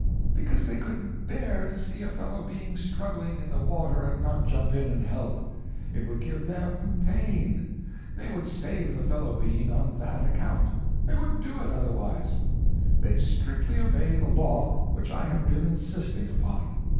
Because they couldn't bear to see a fellow being struggling in the water and not jump in and help. It would give them pain. They would save the fellow being on that account. They wouldn't do it otherwise. They strictly obey the law which I have been insisting upon.